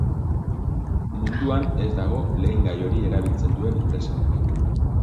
Munduan ez dago lehengai hori erabiltzen duen enpresarik.